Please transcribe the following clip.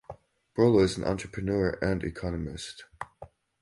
Brolo is an entrepreneur and economist.